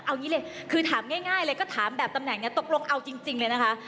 เอางี้เลยคือถามง่ายเลยก็ถามแบบตำแหน่งเนี่ยตกลงเอาจริงเลยนะคะ